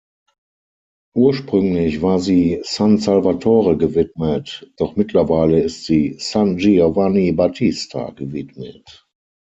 Ursprünglich war sie "San Salvatore" gewidmet, doch mittlerweile ist sie "San Giovanni Battista" gewidmet.